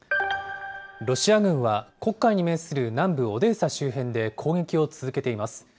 ロシア軍は黒海に面する南部オデーサ周辺で攻撃を続けています。